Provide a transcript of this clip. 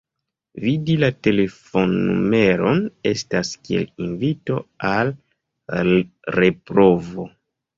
Vidi la telefonnumeron estas kiel invito al reprovo.